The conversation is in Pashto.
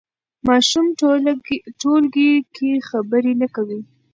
ماشوم ټولګي کې خبرې نه کوي.